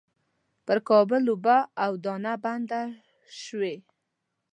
پر کابل اوبه او دانه بنده شوې.